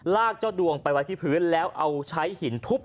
เจ้าดวงไปไว้ที่พื้นแล้วเอาใช้หินทุบ